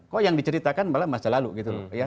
kok yang diceritakan malah masa lalu gitu loh